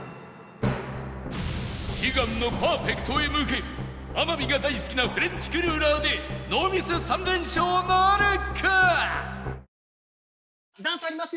悲願のパーフェクトへ向け天海が大好きなフレンチクルーラーでノーミス３連勝なるか？